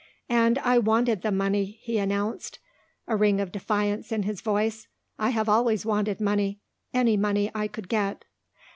"And I wanted the money," he announced, a ring of defiance in his voice. "I have always wanted money, any money I could get."